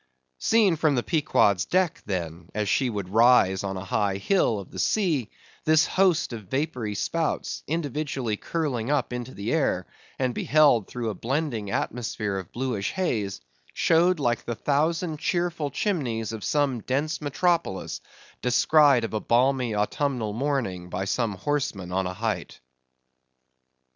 Seen from the Pequod's deck, then, as she would rise on a high hill of the sea, this host of vapory spouts, individually curling up into the air, and beheld through a blending atmosphere of bluish haze, showed like the thousand cheerful chimneys of some dense metropolis, descried of a balmy autumnal morning, by some horseman on a height.